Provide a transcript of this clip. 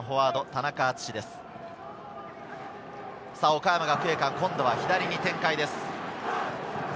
岡山学芸館、今度は左に展開です。